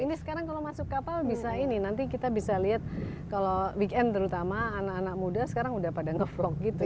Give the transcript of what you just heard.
ini sekarang kalau masuk kapal bisa ini nanti kita bisa lihat kalau weekend terutama anak anak muda sekarang udah pada nge vlog gitu ya